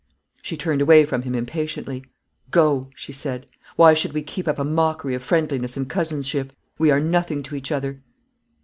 She turned away from him impatiently. "Go," she said; "why should we keep up a mockery of friendliness and cousinship? We are nothing to each other."